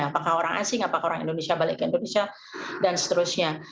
apakah orang asing apakah orang indonesia balik ke indonesia dan seterusnya